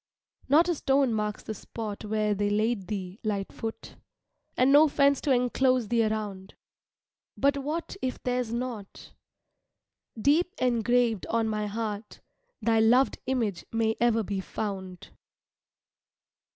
Not a stone marks the spot Where they laid thee, Lightfoot, And no fence to enclose thee around; But what if there's not, Deep engraved on my heart Thy loved image may ever be found.